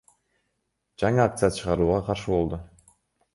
жаңы акция чыгарууга каршы болду.